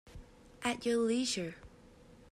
At your leisure.